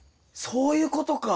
そういうことか。